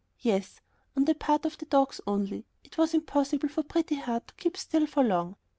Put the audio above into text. Yes, on the part of the dogs only. It was impossible for Pretty Heart to keep still for long.